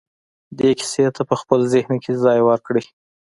دې کيسې ته په خپل ذهن کې ځای ورکړئ.